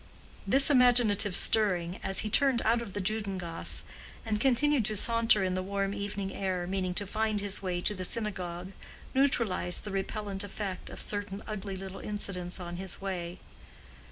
This imaginative stirring, as he turned out of the Juden gasse, and continued to saunter in the warm evening air, meaning to find his way to the synagogue, neutralized the repellent effect of certain ugly little incidents on his way.